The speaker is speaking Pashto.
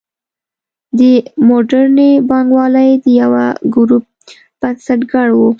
د موډرنې بانکوالۍ د یوه ګروپ بنسټګر و.